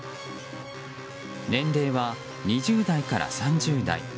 年齢は２０代から３０代。